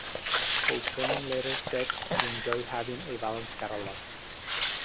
Coltrane later said he enjoyed having a balanced catalogue.